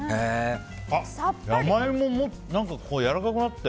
長イモもやわらかくなって。